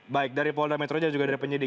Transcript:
baik dari polda metro jaya juga dari penyidik